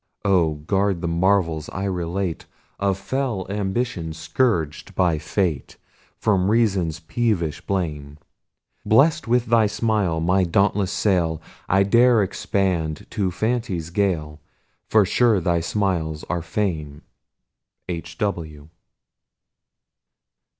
Oh! guard the marvels I relate Of fell ambition scourg'd by fate, From reason's peevish blame. Blest with thy smile, my dauntless sail I dare expand to Fancy's gale, For sure thy smiles are Fame. H. W.